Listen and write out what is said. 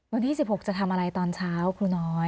วันที่๑๖จะทำอะไรตอนเช้าครูน้อย